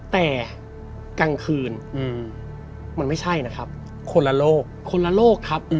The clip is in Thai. แต่กลางคืนมันไม่ใช่นะครับคนละโลกคนละโลกครับ